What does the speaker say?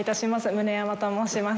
旨山と申します。